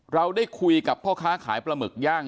เราได้คุยกับพ่อค้าขายปลาหมึกย่าง